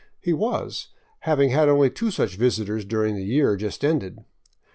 He was, having had only two such visitors during the year just ended.